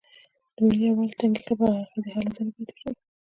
د ملي یووالي ټینګښت لپاره هر اړخیزې هلې ځلې باید وشي.